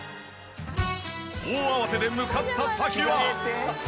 大慌てで向かった先は。